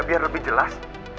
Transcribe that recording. biar lebih jelas